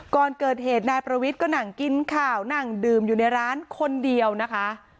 ก่อนเกิดเหตุนายประวิทย์ก็นั่งกินข้าวนั่งดื่มอยู่ในร้านคนเดียวนะคะ